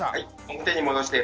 表に戻して。